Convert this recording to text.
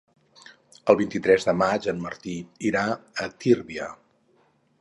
El vint-i-tres de maig en Martí irà a Tírvia.